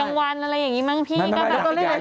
กลางวันอะไรอย่างนี้มั้งพี่ก็จะเล่นไหม